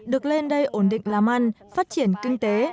được lên đây ổn định làm ăn phát triển kinh tế